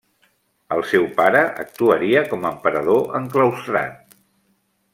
El seu pare actuaria com emperador enclaustrat.